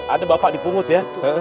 ada bapak dipungut ya